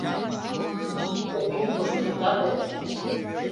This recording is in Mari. Поген коштмемжат ок шу.